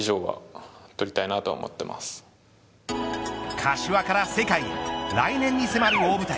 柏から世界へ来年に迫る大舞台。